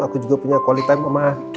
aku juga punya quality time sama keshia